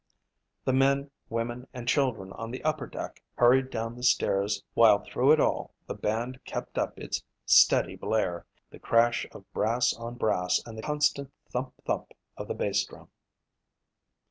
The men, women and children on the upper deck hurried down the stairs while through it all the band kept up its steady blare, the crash of brass on brass and the constant thump, thump of the bass drum.